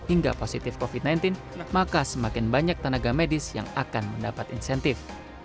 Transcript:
hingga positif covid sembilan belas maka semakin banyak tenaga medis yang akan mendapat insentif